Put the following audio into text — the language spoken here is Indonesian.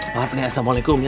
maaf nih assalamualaikum ya